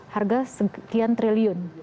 harga sekian triliun